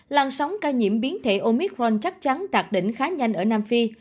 làn sóng ca nhiễm biến thể omicron chắc chắn đạt đỉnh khá nhanh ở nam phi